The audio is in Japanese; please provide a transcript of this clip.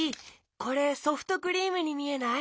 これソフトクリームにみえない？